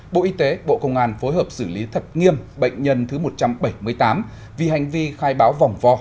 bộ y tế bộ công an phối hợp xử lý thật nghiêm bệnh nhân thứ một trăm bảy mươi tám vì hành vi khai báo vòng vo